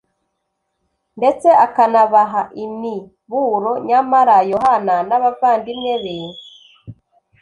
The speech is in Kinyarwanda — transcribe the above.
ndetse akanabaha imiburo nyamara Yohana n'abavandimwe be